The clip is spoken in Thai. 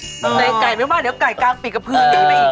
เตะไก่ไม่ว่าเดี๋ยวไก่กลางปิดกระพืออีกไหม